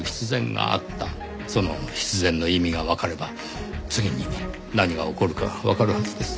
その必然の意味がわかれば次に何が起こるかわかるはずです。